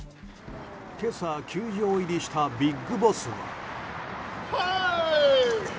今朝、球場入りしたビッグボス。